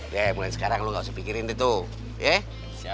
ya mulai sekarang lo gak usah pikirin gitu ya